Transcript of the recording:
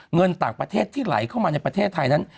เงินต่างประเทศที่ไหลเข้ามาในประเทศไทยนั้น